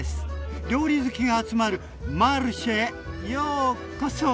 料理好きが集まるマルシェへようこそ！